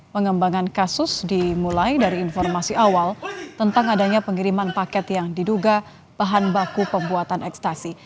pengembangan kasus dimulai dari informasi awal tentang adanya pengiriman paket yang diduga bahan baku pembuatan ekstasi